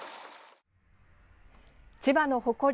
千葉の誇り